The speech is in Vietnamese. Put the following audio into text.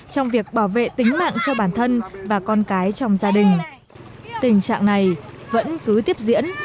trong việc bảo vệ tính mạng cho bản thân và con cái trong gia đình tình trạng này vẫn cứ tiếp diễn